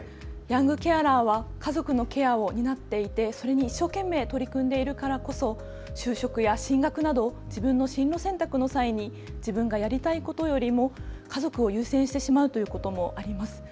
ヤングケアラーは家族のケアを担っていて、それに一生懸命取り組んでいるからこそ就職や進学など自分の進路選択の際に自分のやりたいことよりも家族を優先してしまうこともあります。